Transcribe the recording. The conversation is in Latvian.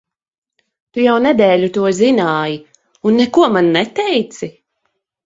Tu jau nedēļu to zināji, un neko man neteici?